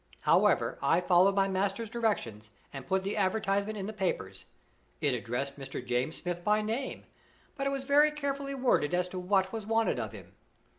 However, I followed my master's directions, and put the advertisement in the papers. It addressed Mr. James Smith by name, but it was very carefully worded as to what was wanted of him.